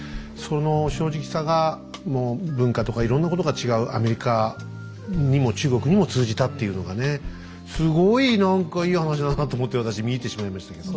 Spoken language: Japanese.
その正直さがもう文化とかいろんなことが違うアメリカにも中国にも通じたというのがねすごい何かいい話だなと思って私見入ってしまいました。